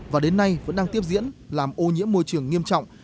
và đến nay vẫn đang tiếp diễn làm ô nhiễm môi trường nghiêm trọng